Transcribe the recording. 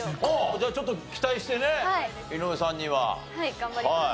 じゃあちょっと期待してね井上さんには。はい頑張ります。